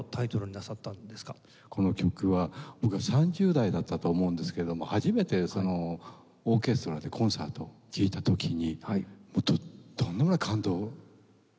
この曲は僕は３０代だったと思うんですけども初めてそのオーケストラでコンサート聴いた時にもうとんでもない感動をしたんですね。